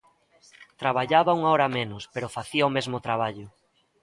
Traballaba unha hora menos, pero facía o mesmo traballo.